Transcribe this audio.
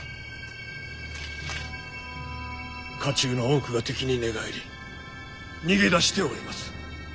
家中の多くが敵に寝返り逃げ出しております。